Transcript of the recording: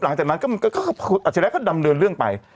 เสร็จปุ๊บหลังจากนั้นอาชิริยะก็ดำเนินเรื่องไป